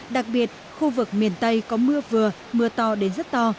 đặc biệt khu vực miền tây có mưa vừa mưa to đến rất to